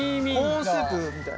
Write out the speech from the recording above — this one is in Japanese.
コーンスープみたい。